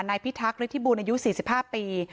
พิทักษฤทธิบูรณอายุ๔๕ปี